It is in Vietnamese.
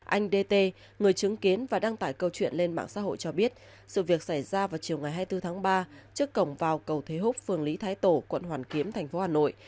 anh dt người chứng kiến và đăng tải câu chuyện lên mạng xã hội cho biết sự việc xảy ra vào chiều ngày hai mươi bốn tháng ba trước cổng vào cầu thế húc phường lý thái tổ quận hoàn kiếm thành phố hà nội